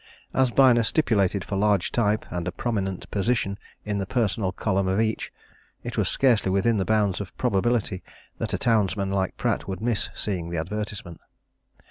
As Byner stipulated for large type, and a prominent position, in the personal column of each, it was scarcely within the bounds of probability that a townsman like Pratt would miss seeing the advertisement.